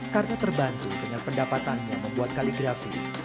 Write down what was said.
karena terbantu dengan pendapatannya membuat kaligrafi